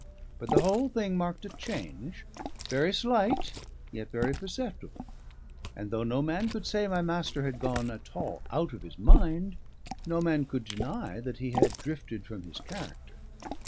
But the whole thing marked a change, very slight yet very perceptible; and though no man could say my master had gone at all out of his mind, no man could deny that he had drifted from his character.